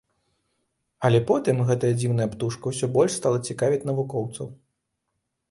Але потым гэтая дзіўная птушка ўсё больш стала цікавіць навукоўцаў.